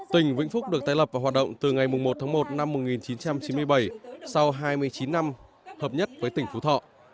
tỉnh vĩnh phúc được tái lập và hoạt động từ ngày một tháng một năm một nghìn chín trăm chín mươi bảy sau hai mươi chín năm hợp nhất với tỉnh phú thọ